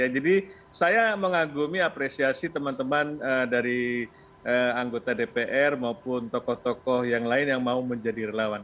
jadi saya mengagumi apresiasi teman teman dari anggota dpr maupun tokoh tokoh yang lain yang mau menjadi relawan